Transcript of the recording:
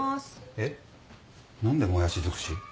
えっ何でもやし尽くし？